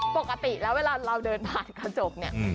ปกติแล้วเวลาเราเดินผ่านกระจกเนี่ย